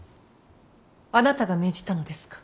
あなたが命じたのですか。